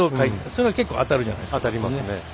それが結構当たるじゃないですか。